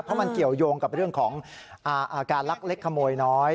เพราะมันเกี่ยวยงกับเรื่องของอาการลักเล็กขโมยน้อย